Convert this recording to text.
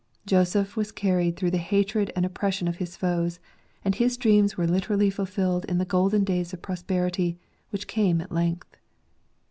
Joseph was carried through the hatred and opposition of his foes ; and his dreams were literally fulfilled in the golden days of prosperity, which came at length.